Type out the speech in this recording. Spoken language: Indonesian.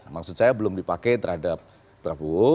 maksud saya belum dipakai terhadap prabowo